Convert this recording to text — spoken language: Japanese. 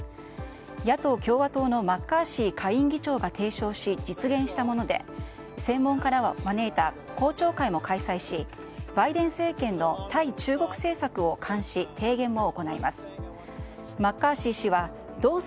野党・共和党のマッカーシー下院議長が提唱し実現したもので専門家らを招いた公聴会も開催しバイデン政権の対中国政策を監視、提言も行います。